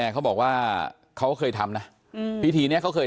เขาบอกว่าเขาเคยทำนะพิธีนี้เขาเคย